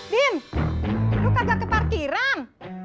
din lu kagak ke parkiran